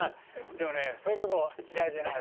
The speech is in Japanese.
でもねそういうとこ嫌いじゃない。